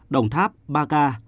đồng tháp ba ca